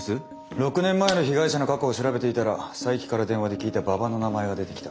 ６年前の被害者の過去を調べていたら佐伯から電話で聞いた馬場の名前が出てきた。